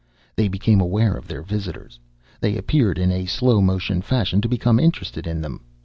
They became aware of their visitors. They appeared, in a slow motion fashion, to become interested in them.